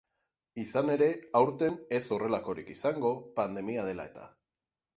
Izan ere, aurten ez horrelakorik izango, pandemia dela eta.